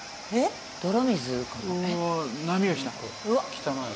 「汚い」